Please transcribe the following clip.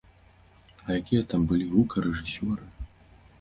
А якія там былі гукарэжысёры!